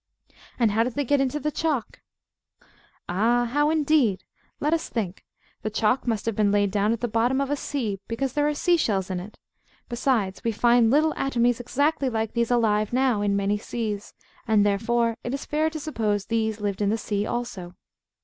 And how did they get into the chalk? Ah! How indeed? Let us think. The chalk must have been laid down at the bottom of a sea, because there are sea shells in it. Besides, we find little atomies exactly like these alive now in many seas; and therefore it is fair to suppose these lived in the sea also.